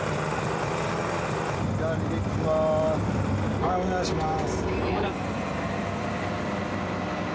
はいお願いします。